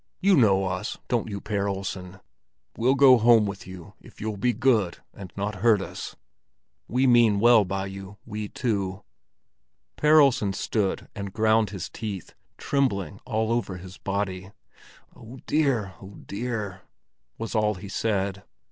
"You know us, don't you, Per Olsen? We'll go home with you if you'll be good and not hurt us; we mean well by you, we two." Per Olsen stood and ground his teeth, trembling all over his body. "Oh dear, oh dear!" was all he said.